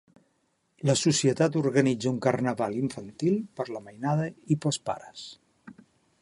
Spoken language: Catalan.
La Societat organitza un carnaval infantil per la mainada i pels pares.